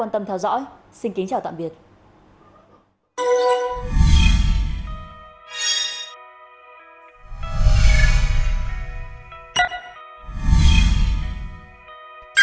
trong khoảng ba mươi một đến ba mươi ba độ